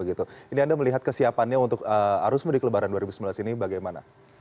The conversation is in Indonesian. ini anda melihat kesiapannya untuk arus mudik lebaran dua ribu sembilan belas ini bagaimana